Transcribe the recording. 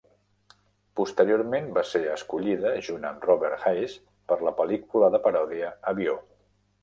Posteriorment va ser escollida junt amb Robert Hays per la pel·lícula de paròdia, "Avió!".